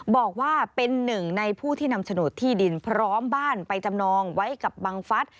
บอกว่าเป็นหนึ่งในผู้ที่นำโฉนดที่ดินพร้อมบ้านไปจำนองไว้กับบังฟัฐ